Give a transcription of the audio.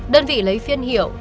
đơn vị lấy phiên hiệu